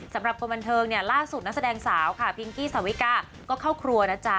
สำหรับคนบันเทิงเนี่ยล่าสุดนักแสดงสาวค่ะพิงกี้สาวิกาก็เข้าครัวนะจ๊ะ